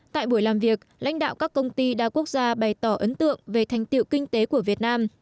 tại buổi làm việc lãnh đạo các công ty đa quốc gia bày tỏ ấn tượng về thành tiệu kinh tế của việt nam